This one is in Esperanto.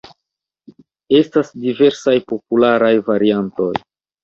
Estas diversaj popularaj variantoj.